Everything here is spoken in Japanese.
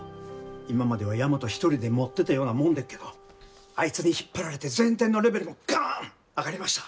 今までは大和一人でもってたようなもんでっけどあいつに引っ張られて全体のレベルもガン上がりました。